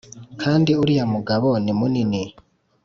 kandi uriya mugabo ni munini